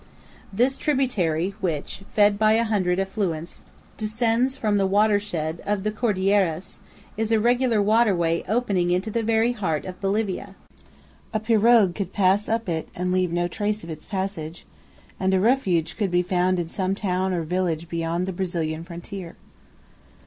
This tributary, which, fed by a hundred affluents, descends from the watershed of the Cordilleras, is a regular waterway opening into the very heart of Bolivia. A pirogue could pass up it and leave no trace of its passage, and a refuge could be found in some town or village beyond the Brazilian frontier.